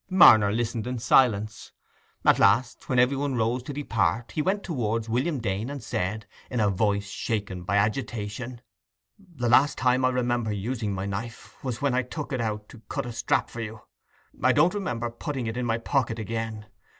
Marner listened in silence. At last, when everyone rose to depart, he went towards William Dane and said, in a voice shaken by agitation— "The last time I remember using my knife, was when I took it out to cut a strap for you. I don't remember putting it in my pocket again.